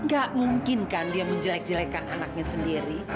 gak mungkin kan dia menjelek jelekkan anaknya sendiri